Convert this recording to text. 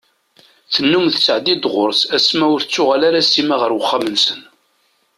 Tennum tattɛedday-d ɣur-s asma ur tettuɣal ara Sima ɣer uxxam-nsen.